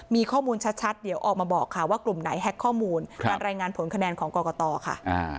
มีข้อมูลชัดเดี๋ยวออกมาบอกค่ะว่ากลุ่มไหนแฮ็กข้อมูลการรายงานผลคะแนนของกรกตค่ะ